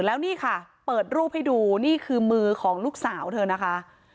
แล้วนี่ค่ะเปิดรูปให้ดูนี่คือมือของลูกสาวเธอนะคะ